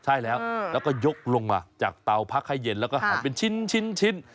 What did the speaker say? ใช่แล้วแล้วก็ยกลงมาจากเตาพักให้เย็นแล้วก็หันเป็นชิ้น